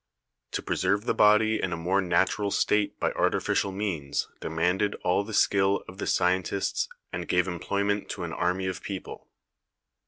To preserve the body in a more natural state by arti ficial means demanded all the skill of the scientists, and gave employment to an army of people.